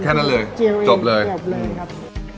แค่นั้นเลยจบเลยครับ